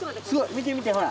見て見てほら。